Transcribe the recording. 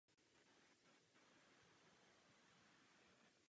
Hrad byl v průběhu času rozsáhle opevněn a několikrát přestavován.